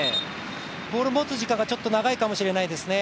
ボール持つ時間がちょっと長いかもしれないですね。